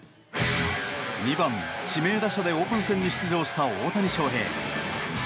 ２番指名打者でオープン戦に出場した大谷翔平。